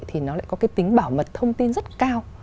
thì nó lại có cái tính bảo mật thông tin rất cao